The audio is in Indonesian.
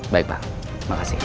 baik pak makasih